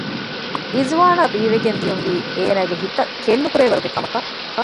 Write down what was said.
އިޒުވާނަށް ސާރާ ބީވެގެން ދިޔުންވީ އޭނަގެ ހިތަށް ކެތްނުކުރެވޭވަރުގެ ކަމަކަށް